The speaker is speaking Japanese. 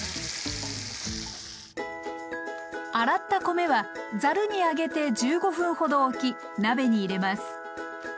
洗った米はざるに上げて１５分ほどおき鍋に入れます。